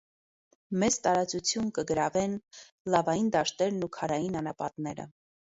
Մեծ տարածութիւն կը գրաւէն լաւային դաշտերն ու քարային անապատները։